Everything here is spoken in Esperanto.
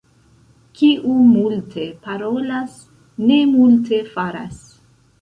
Kiu multe parolas, ne multe faras.